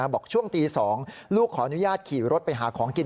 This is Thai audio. บอกช่วงตี๒ลูกขออนุญาตขี่รถไปหาของกิน